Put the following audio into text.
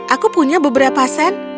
aku punya beberapa sen